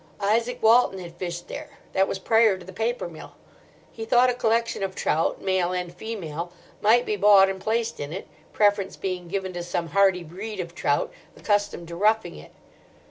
Isaac Walton had fished there—that was prior to the paper mill. He thought a collection of trout, male and female, might be bought and placed in it; preference being given to some hardy breed of trout, accustomed to roughing it.